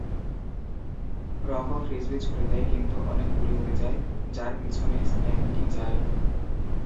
রকো frisbee ছুঁড়ে দেয়, কিন্তু অনেক দূরে উড়ে যায়, যার পিছনে স্প্যাঙ্কি যায়।